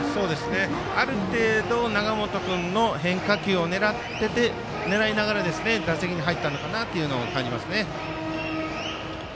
ある程度永本君の変化球を狙いながら打席に入ったのかなと感じますね。